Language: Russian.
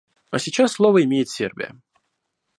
А сейчас слово имеет Сербия.